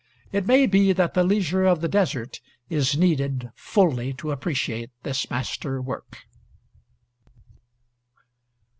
It may be that the leisure of the desert is needed fully to appreciate this master work.